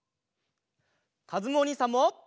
かずむおにいさんも！